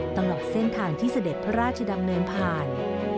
ตลอดเส้นทางที่เสด็จพระราชดำเนินผ่าน